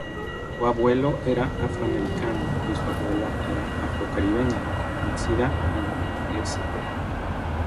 Su abuelo era afroamericano, y su abuela era afrocaribeña, nacida en St.